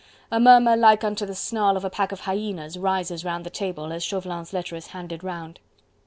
A murmur like unto the snarl of a pack of hyenas rises round the table, as Chauvelin's letter is handed round.